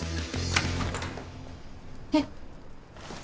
えっ